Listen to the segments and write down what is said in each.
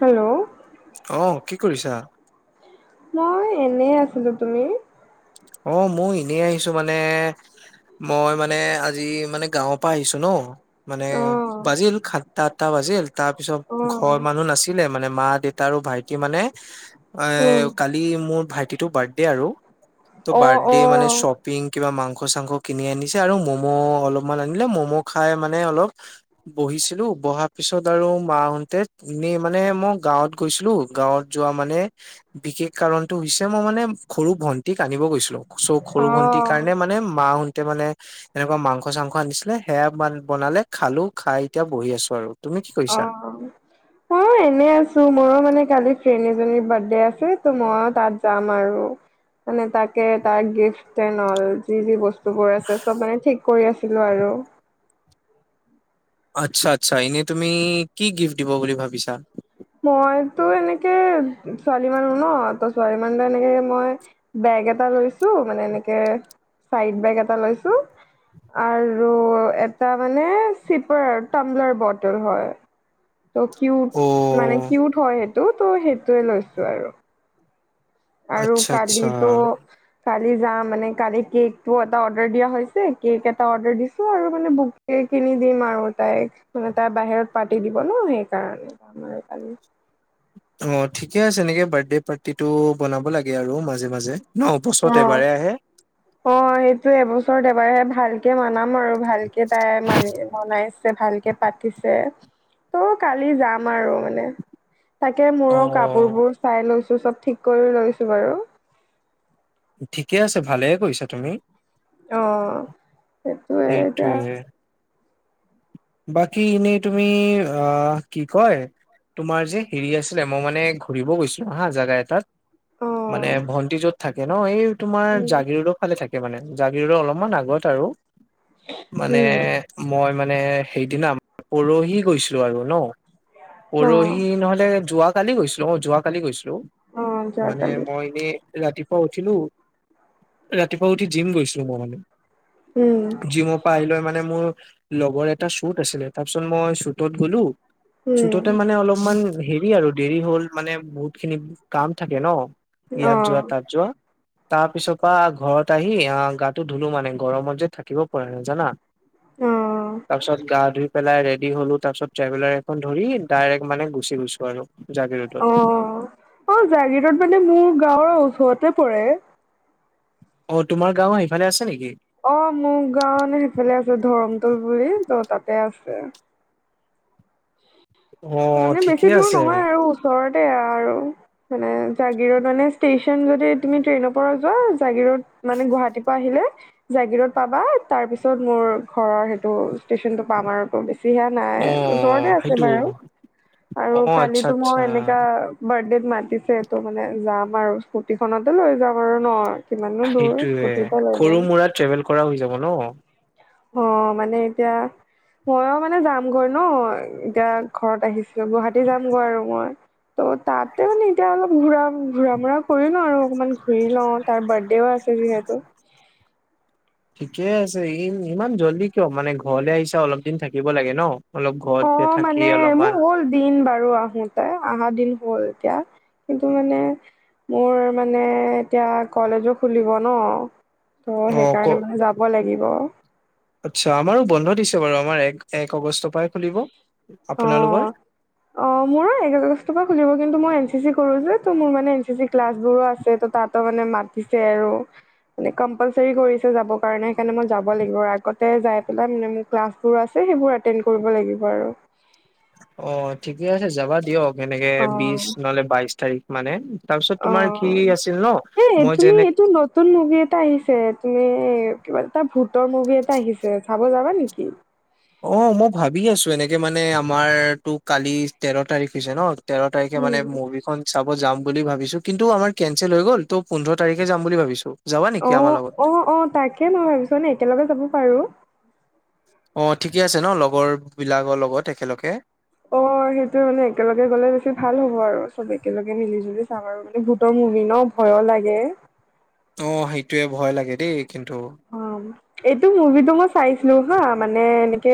Hello অ' কি কৰিছা মই এনে আছিলো তুমি অ' মই এনেই আহিছো মানে মই মানে আজি মানে গাঁৱৰ পৰা আহিছো ন মানে অ বাজিল সাতটা আঠটা বাজিল তাৰ পিছত অ ঘৰৰ মানুহ নাছিলে মানে মা দে তাৰো ভাইটি মানে উম কালি মোৰ ভাইটিটো বাৰ্থডে আৰু ত অ অ অ বাৰ্থডে মানে চ পিং কিবা মাংস চাংস কিনি আনিছে আৰু ম'ম' অলপমান আনিলে ম'ম' খাই মানে অলপ বহিছিলো বহা পিছত আৰু মাাহতে এনেই মানে মই গাঁৱত গৈছিলো গাঁৱত যোৱা মানে বিশেষ কাৰণটো হৈছে মই মানে সৰু ভন্টিক [inaudible] আনিব গৈছিলোঁ। [inaudible] চ' সৰু ভন্টিৰ কাৰণে মানে মাহ‍ঁতে মানে [inaudible] এনেকুৱা মাংস-চাংস আনিছিলে সেয়া বনালে খালো, খাই এতিয়া বহি আছো আৰু। [inaudible] কৰিছা? অঁ! [inaudible] মইয়ো এনেই আছো। মইও মানে কালি ফ্ৰেণ্ড এজনীৰ বাৰ্থডে আছে ত' মই তাত যাম আৰু। [inaudible] মানে তাক তাৰ গিফ্ট [inaudible] নল যি যি বস্তু [inaudible] [inaudible] আছে চব মানে ঠিক কৰি আছিলোঁ আৰু। আচ্ছা-আচ্ছা। এনেই তুমি কি গিফ্ট দিব বুলি ভাবিছা? [inaudible] মইতো এনেকে ছোৱালী মানুহ ন ত' ছোৱালী মানুহ এনেকে মই [unintelligible] বেগ এটা লৈছোঁ, মানে এনেকে চাইড বেগ এটা লৈছোঁ। [inaudible] আৰু এটা মানে চিপাৰ টংলাৰ বটল হয়। [inaudible] ত' কিউট অ মানে কিউট হয় সেইটো ত' সেইটোৱেই লৈছো আৰু। [inaudible] আৰু আচ্ছা আচ্ছা কালিটো [inaudible] কালি যাম মানে কালি কেকটো এটা অৰ্ডাৰ দিয়া হৈছে কেক এটা অৰ্ডাৰ দিছো আৰু মানে বহু [inaudible] [inaudible] কিনি দিম আৰু তাইক মানে তাই বাহিৰত পাতি দিব ন সেইকাৰণে আৰু কালি অঁ! ঠিকে আছে এনেকে বাৰ্থডে পাৰ্টিটো বনাব লাগে আৰু মাজে-মাজে। [inaudible] ন' বছৰত এবাৰে আহে। [inaudible] অঁ সেইটোৱেই এবছৰত এবাৰেহে ভালকে মানাম আৰু ভালকে তাই মানি মনাইছ [inaudible] [inaudible] ভালকে পাতিছে ত' কালি যাম আৰু মানে। তাকে মোৰো অ কাপোৰবোৰ চাই লৈছোঁ, চব ঠিক কৰি লৈছো বাৰু। [inaudible] ঠিকে আছে ভালে কৰিছা তুমি। [inaudible] অঁ! সেইটোৱেই এতিয়া সেইটোয়ে [inaudible] বাকী এনেই তুমি আহ কি কয় [inaudible] তোমাৰ যে হেৰি আছিলে মই মানে ঘূৰিব গৈছিলো হা জেগা এটাত। অ [inaudible] মানে ভন্টি যত থাকে ন এই তোমাৰ উম জাগিৰোডৰ [unintelligible] ভালে থাকে মানে। জাগীৰোডৰ অলপমান আগত আৰু মানে উম মই মানে [unintelligible] সেইদিনা পৰহি গৈছিলো আৰু ন। অ পৰহি নহলে [inaudible] যোৱ কালি গৈছিলোঁ অ' যোৱাকালি গৈছিলোঁ। অ মানে যোৱাকালি মই এনে [unintelligible] ৰাতিপুৱা উঠিলোঁ, ৰাতিপুৱা উঠি জিম গৈছিলোঁ মই মানে। [inaudible] উম জিমৰ পৰা আহি লৈ মানে মোৰ লগৰ এট [inaudible] তাৰ শ্বুট আছিলে। তাৰপিছত মই শ্বুটত গলোঁ। উম শ্বুটতে মানে অলপমান হেৰি আৰু [inaudible] দেৰি হ'ল মানে বহুতখিনি কাম থাকে ন অ ইয়াত যোৱা তাত যোৱা। [unintelligible] তাৰ পিছৰ পৰা ঘৰত আহি আহ গাটো ধুলো মানে গৰমত যে থাকিব পৰা নাই জানা। [inaudible] অঁ। [inaudible] তাৰ পিছত গা ধুই পেলাই ৰেডি হ'লো। তাৰ পিছত ট্ৰেভেলাৰ এখন ধৰি ডাইৰেক্ট মানে গুচি গৈছোঁ আৰু। [inaudible] জাগিৰোডত। [inaudible] অঁ জাগিৰোড মানে মোৰ গাঁৱৰ ওচৰতে পৰে। [inaudible] অঁ! তোমাৰ গাঁও সেইফালে আছে নেকি? [inaudible] অঁ! মোৰ গাঁও মানে সেইফালে আছে। ধৰমটোল বুলি ত তাতে আছে। [inaudible] অ মানে ঠিকে বেছি দূৰ আছে নহয় আৰু ওচ [unintelligible] ওচৰতে আৰু মানে জাগিৰোড মানে ষ্টেচন যদি তুমি ট্ৰেইনৰ পৰা যোৱা [inaudible] জাগিৰোড মানে গুৱাহাটীৰ পৰা আহিলে [inaudible] জাগিৰোড পাবা তাৰ পিছত মোৰ ঘৰৰ সেইটো ষ্টেচনটো পাম আৰু [inaudible] [unintelligible] নাই অ ওচৰতে আছে সেইটো বাৰু। অ আৰু আচ্ছা কালিতো মই আচ্ছা এনেকা [inaudible] বাৰ্থডেত মাতিছে ত মানে যাম আৰু স্কুটিখনকে লৈ যাম আৰু ন। [inaudible] কিমাননো দূৰ সেইটোয়ে স্কুটিৰ পৰা লৈ সৰু যাম মুৰা ট্ৰেভেল কৰাও হৈ যাব ন অ মানে এতিয়া ময়ো মানে যাম গৈ ন এতিয়া ঘৰত আহিছিলো গুৱাহাটী যামগৈ আৰু মই ত' তাতে মানে এতিয়া অলপ ঘুৰা ঘূৰা মুৰা কৰি লওঁ আৰু অকমান ঘূৰি লওঁ তাৰ বাৰ্থডেও আছে যিহেতু ঠিকে আছে ই ইমান জল্দি কিয় মানে ঘৰলে আহিছ অলপ দিন থাকিব লাগে ন অলপ অ ঘৰতে থাকি মানে অলপমান মোৰ হ'ল দিন বাৰু আহোত তে আহা দিন হ'ল এতিয়া কিন্তু মানে মোৰ মানে এতিয়া কলেজো খুলিব ন ত অ সেইকাৰণে মানে যাব লাগিব আতচ্ছা আমাৰো বন্ধ দিছে বাৰু আমাৰ এক এক অগষ্টৰ পৰাই খুলিব অ', আপোনালোকৰ অ মোৰো এক আগষ্টৰ পৰা খুলিব কিন্তু মই এন চি চি কৰো যে ত' মোৰ মানে এন চি চি ক্লাছবোৰো আছে ত' তাত তা মানে মাতিছে আৰু মানে কম্পালচাৰী কৰিছে যাবৰ কাৰণে সেইকাৰণে মই যাব লাগিব আগতে যাই পেলাই মানে ম ক্লাছবোৰ আছে সেইবোৰ এটেণ্ড কৰিব লাগিব আৰু অ ঠিকে আছে যাবা দিয়ক এনেকে বিশ অ', নহলে বাইশ তাৰিখ মানে তাৰপিছত তোমাৰ কি অ', আছিল ন এই মই তুমি যেনেক এইটো নতুন মুভি এটা আহিছে তুমি কিবা এটা ভূতৰ মুভি এটা আহিছে চাব যাবা নেকি অ মউ ভাবি আছো এনেকে মানে আমাৰ তো কালি তেৰ তাৰিখ দিছে ন তেৰ তাৰিখে মানে উম। মুভিখন চাব যাম বুলি ভাবিছো কিন্তু আমাৰ কেনচেল হৈ গ'ল ত' পোন্ধৰ তাৰিখে যাম বুলি ভাবিছো যাবা নেকি অ আমাৰ লগত অ অ তাকে ম‌ই ভাবিছো মানে একেলগে যাব পাৰো অ ঠিকে আছে ন লগৰ বিলাকৰ লগত একেলগে অ সেইটোৱে মানে একেলগে গলে বেছি ভাল হ'ব আৰু চব একেলগে মিলি জুলি চাম আৰু মানে ভূতৰ মুভি ন ভয়ো লাগে অ সেইটোয়ে ভয় লাগে দেই কিন্তু অ এইটো মুভিটো মই চাইছিলো হা মানে এনেকে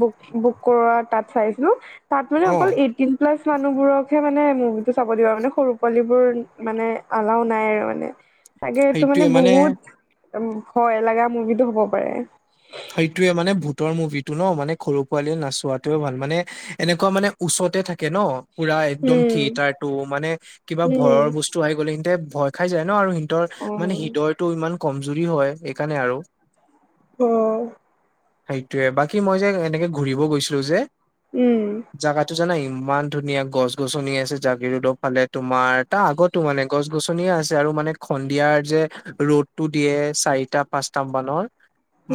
বুক বুক কৰোৱা তাত চাইছিলো তাত মানে অ অকল এইটিন প্লাছ মানুহবোৰকহে মানে মুভিটো চাব দিব মানে সৰু পোৱালিবোৰ মানে আলাও নাই আৰু মানে চাগে এইটো মানে বহুত উম ভয় লগা মুভিটো হব পাৰে সেইটোয়ে মানে ভূতৰ মুভিটো ন মানে সৰু পোৱালীয়ে নাচোৱাতোয়ে ভাল মানে এনেকুৱা মানে ওচতে থাকে ন পুৰা একদম উম থিয়েটাৰটো মানে কিবা উম ভয়ৰ বচ টো আহি গ'লে সিতে ভয় খাই যায় ন আৰু সিতৰ অ মানে হৃদৰটো ইমান কমজুৰি হয় সেইকাৰণে আৰু অ সেইটোয়ে বাকী মই যে এনেকে ঘূৰিব গৈছিলো যে উম জাগাতো জানা ইমান ধুনীয়া গছ গছনি আছে জাগিৰুডৰ ফালে তোমাৰ তা আগত টো মানে গছ গছনিয়ে আছে আৰু মানে সন্ধিয়াৰ যে ৰ'দটো দিয়ে চাৰিটা পাঁচটাম মানৰ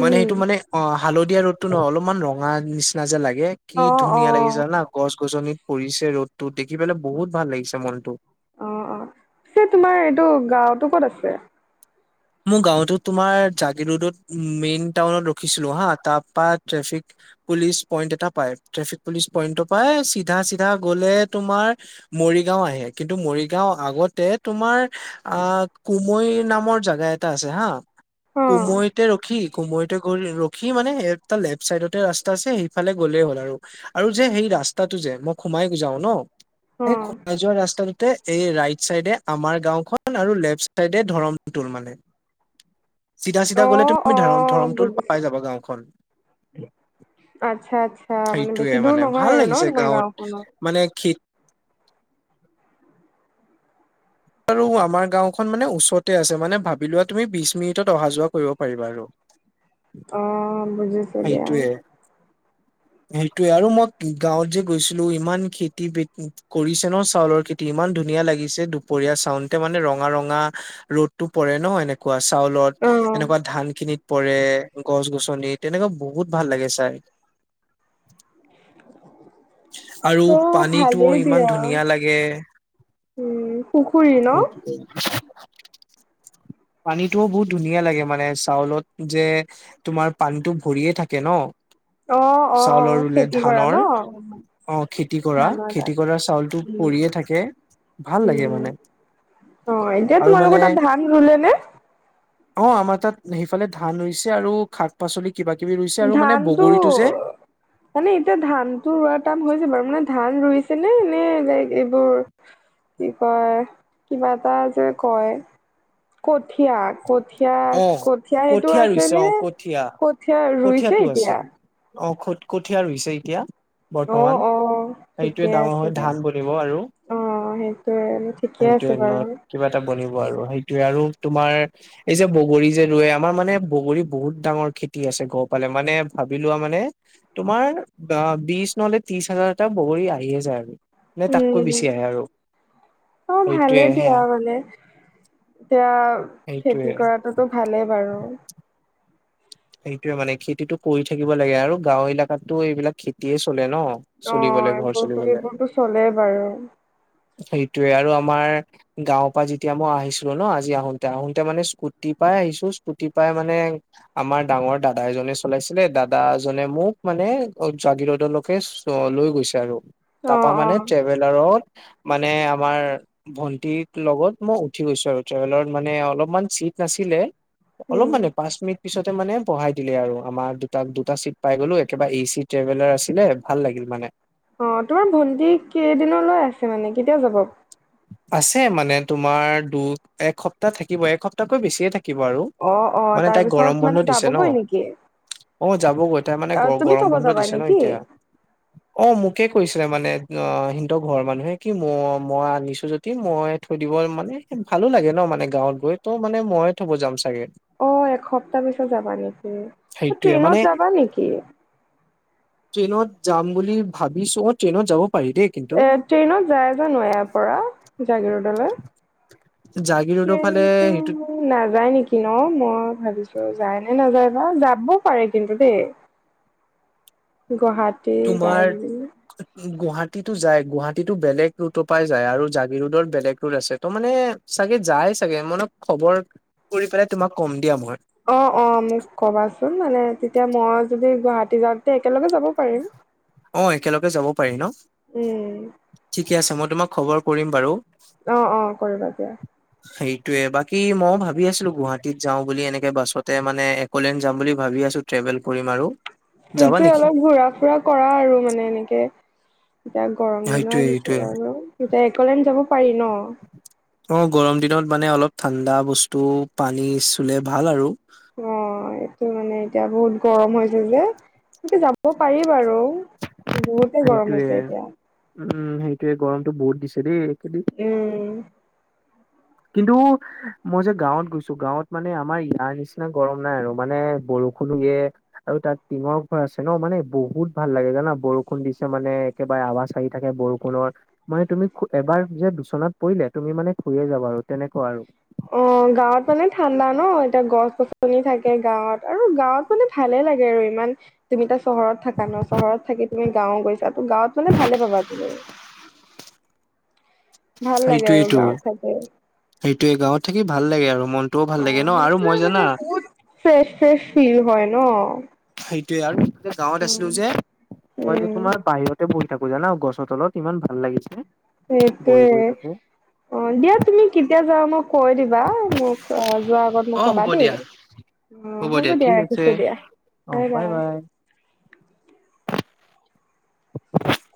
মানে সেইটো মানে অ হালধীয়া ৰ'দতটো ন অলপমান ৰঙা নিচিনা যে লাগে কি অ ধুনীয়া অ লাগিছে জানা গছ গছনিত পৰিছে ৰ'দতটো দেখি পেলাই বহুত ভাল লাগিছে মনটো অ অ পিছে তোমাৰ এইটো গাওতো ক'ত আছে মোৰ গাঁওতো তোমাৰ জাগিৰোডত মেইন টাউনত ৰখিছিলো হা তাৰ পা ট্ৰেফিক পুলিচ পইণ্ট এটা পায় ট্ৰেফিক পুলিচ পইন্ট পাই চিধা চিধা গলে তোমাৰ মৰিগাঁও আহে কিন্তু মৰিগাঁও আগতে তোমাৰ আ কুমৈ নামৰ জাগা জা এটা আছে হা অ কুমৈতে ৰখি কুমৈতে ঘখি সি মানেটা লেফ্ট চাইডতে ৰাস্তা আছে সিফালে গ'লেই হ'ল আৰু আৰু যে সেই ৰাস্তাটো যে মই সোমাই যাও ন অ এই খোৱা যোৱা ৰাস্তাটোতে এই ৰাইট চাইডে আমাৰ গাওখন আৰু লেফ্ট চাইডে ধৰণ তুল মানে। চিধা চিধা অ গলে তুমি অ ধ ধৰমটো বুজিছো পাই যাবা গাঁওখন। আচ্ছা আচ্ছা মানে সেইটোয়ে বেছি দূৰ নহয় আৰু ন তোমাৰ গাওঁখনত। মান কি। আৰু আমাৰ গাওখন মানে ওচৰতে আছে মানে ভাবি লোৱা তুমি বিশ মিনিটত অহা যোৱা কৰিব পাৰিবা আৰু অ বুজি। সেইটোৱে। সেইটোয়ে আৰু মই গাঁৱত যে গৈছিলো ইমান খেতি বাতি কৰিছে ন চাউলৰ খেতি ইমান ধুনীয়া লাগিছে দুপৰীয়া চাওঁতে মানে ৰঙা ৰঙা। ৰ'দতো পৰে নহয় এনেকুৱা অ চাউলত এনেকুৱা ধান খিনিত পৰে গছ গছনিত। তেনেকুৱা বহুত ভাল লাগে চাই। আৰু অ পানীটো ভালেই ইমান দিয়া ধুনীয়া লাগে। উম পুখুৰী ন। পানীতটোও বহুত ধুনীয়া লাগে মানে চাউলত যে। তোমাৰ পানীতটো ভৰিয়ে থাকে ন অ অ চাউলৰ ৰুলে খেতি কৰা ধানৰ ন অ খেতি কৰা ধানৰ খেতি তাত কৰা চাউলটো উম পৰিয়ে থাকে ভাল লাগে উম মানে। অ এতিয়া আৰু তোমা লোকৰ মানে তাত ধান ৰুলে নে। অ আমাৰ তাত সেইফালে ধান ৰুইছে আৰু শাক পাচলি কিবা কিবি ৰুইছে আৰু মানে ধানটো বগৰীত। মানে এতিয়া ধানতটো ৰোৱাৰ টাম হৈছে বাৰু মানে ধান ৰুইছে নে নে লাইক এইবোৰ। কি কয় কিবা এটা যে কয় কঠীয়া কঠীয়া অ কঠীয়া সেইটো আছে নে? ৰুইছে কঠিয়টো আছে এতিয়া অ কঠীয়া হৈছে এতিয়া অ বৰ্তমান। অ সেইটোোৱে ঠিকে ডাঙৰ আছে হয় দিয়া ধান বনিব আৰু অ সেইটোয়ে ঠিকে আছে বাৰু সেইটোৱেই। কিবা এটা বনিব আৰু সেইটোয়ে আৰু তোমাৰ। এই যে বগৰী যে ৰুৱে আমাৰ মানে বগৰী বহুত ডাঙৰ খেতি আছে গহ পালে মানে ভাবি লোৱা মানে তোমাৰ বিশ নলে ত্ৰিশ হাজাৰটা বগৰী আহিয়ে যায় আৰু নে তাতকৈ উম বেছি আহে আৰু অ সেইটোৱে ভালেই সেয়া দিয়া মানে এতিয়া সেইটোৱে খেতি কৰাততো ভালেই বাৰু। সেইটোয়ে মানে খেতিতটো কৰি থাকিব লাগে আৰু গাঁও এলেকাতো এইবিলাক খেতিয়ে চলে ন। অ চলিবলে ঘৰ বৰপুল চলিবলে এইবোৰ ষতো চলে বাৰু। সেইটোৱে আৰু আমাৰ। গাঁওৰ পৰা যেতিয়া মই আহিছিলো ন আজি আহোতে আহোতে মানে স্কুটি পাই আহিছো স্কুটি পাই মানে। আমাৰ ডাঙৰ দাদা এজনে চলাইছিলে দাদা এ জনে মোক মানে জাগিৰোদলৈকে। লৈ গৈছে আৰু অ তাৰাপা মানে অ ট্ৰেভেলাৰত মানে আমাৰ ভন্টিক লগত মই উঠি গৈছো আৰু ট্ৰেভেলত মানে অলপমান চিট নাছিলে। অলপ উম, মানে পাঁচ মিনিট। পিছতে মানে বঢ়াই দিলে আৰু আমাৰ দুটাক দুটা চিট পাই গলো একেবাৰে এ চি ট্ৰেভেলাৰ আছিলে ভাল লাগিল মানে অ তোমাৰ ভণ্টি কেইদিনলৈ আছে মানে কেতিয়া যাব? আছে মানে তোমাৰ দু এসপ্তাহ থাকিব একসপ্তাহকৈ বেছিয়ে থাকিব আৰু। অ', অ', মানে তাৰ তাইক গৰম পিছত বন্ধ মানে দিছে ন যাবগৈ নেকি। অ', যাবগৈ তাই মানে গ অ', তুমি গৰম থ'ব বন্ধ যাবা দিছে ন নেকি? এতিয়া। অ', মোকে কৈছিলে মানে অ', সিন্দ ঘৰৰ মানুহে কি ম মই আনি যদি মই থৈ দিব মানে ভালো লাগে ন মানে গাঁৱত গৈ ত' মানে মই থব যাম চাগে। অ', এসপ্তাহ পিছত যাবা নেকি সেইটোয়ে মানে ট্ৰেইনত যাবা নেকি। ট্ৰেইনত যাম বুলি ভাবিছোঁ ট্ৰেইনত যাব পাৰি দেই কিন্তু। এ ট্ৰেইনত যায় জানো ইয়াৰ পৰা জাগিৰোদলৈ। জাগিৰোদৰ ফালে সেইটোত নাযায় নেকি ন মই ভাবিছোঁ যায় নে নাযায় বা যাব পাৰে কিন্তু দেই। [inaudible] গুৱহাট তোমাৰ গুৱাহাটীতো যায় গুৱাহাটীতো বেলেগ ৰোটৰ পৰা যায় আৰু জাগি ৰোদৰ বেলেগ ৰোট আছে ত মানে চাগে যায় চাগে মনত খবৰ কৰি পেলাই তোমাক ক'ম দিয়া মই। অ', অ', মোক কবাচোন মানে তেতিয়া মই যদি গুৱাহাটী যাওঁ তেতিয়া একেলগে যাব পাৰিম। অ', একেলগে যাব পাৰি ন। উম। ঠিকে আছে মই তোমাক খবৰ কৰিম বাৰু। অ', অ', কৰিবা দিয়া। [inaudible] সেইটোৱে বাকী মইয়ো ভাবি আছিলোঁ গুৱাহাটীত যাওঁ বুলি এনেকে বাছতে মানে একলেন যাম বুলি ভাবি আছোঁ ট্ৰেভেল কৰিম আৰু। যাবা সেইটোৱে নেকি অলপ ঘুৰা ফুৰা কৰা আৰু মানে এনেকে। এতিয়া গৰম দিনা সেইটোয়ে আহিছিল সেইটোয়ে আৰু এতিয়া এক'লেণ্ড যাব পাৰি ন। অ', গৰম দিনত মানে অলপ ঠাণ্ডা বস্তু পানী চুলে ভাল আৰু। অ', এইটো মানে এতিয়া বহুত গৰম হৈ হৈছে যে এনেকে যাব পাৰি বাৰু। বহুতে গৰম সেইটোয়ে হৈছে এতিয়া উম সেইটোয়ে গৰমতটো বহুত দিছে দেই খেলি উম। কিন্তু মই যে গাঁৱত গৈছোঁ গাঁৱত মানে আমাৰ ইয়াৰ নিচিনা গৰম নাই আৰু মানে বৰষুণো ইয়ে আৰু তাত টিঙৰ ঘৰ আছে ন মানে বহুত ভাল লাগে জানা বৰষুণ দিছে মানে একেবাৰে আৱাজ আহি থাকে বৰষুণৰ মানে তুমি এবাৰ যে দুচনাত পৰিলে তুমি মানে শুয়ে যাবা আৰু তেনেকুৱা আৰু। অ', গাঁৱত মানে ঠাণ্ডা ন এতিয়া গছ- গছনি থাকে গাঁৱত আৰু গাঁৱত মানে ভালে লাগে আৰু ইমান। তুমি তা চহৰত থাকা ন চহৰত থাকি তুমি গাঁও গৈছা ত গাঁৱত মানে ভালে পাবা তুমি ভাল লাগে আৰু গাঁৱত থাকে। সেইটোৱে গাঁৱত থাকি ভাল লাগে আৰু মনটোও ভাল লাগে ন আৰু মই জানা ফ্ৰেচ, ফ্ৰেচ ফিল হয় ন। ত আৰু গাঁৱত আছিলোঁ যে মই যে উম তোমাৰ বাহিৰতে বহি থাকো জানা গছৰ তলত ইমান ভাল লাগিছে। বহি সেইটোয়। বহি তাতে। অ', দিয়া তুমি কেতিয়া যোৱা মই কৈ দিবা মোক যোৱাৰ আগত অ মোক কবা হ'ব দেই। দিয়া অ হ'ব হ'ব দিয়া ঠিক আছে ৰাখিছো দিয়া অ', বাই, বাই। [inaudible]